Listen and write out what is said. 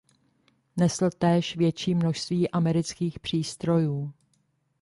Nesl též větší množství amerických přístrojů.